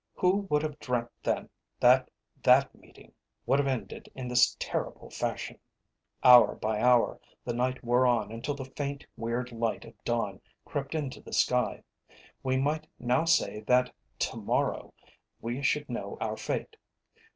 Who would have dreamt then that that meeting would have ended in this terrible fashion? Hour by hour the night wore on until the faint, weird light of dawn crept into the sky. We might now say that to morrow we should know our fate.